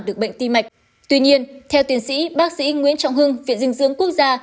được bệnh ti mạch tuy nhiên theo tuyển sĩ bác sĩ nguyễn trọng hưng viện dinh dưỡng quốc gia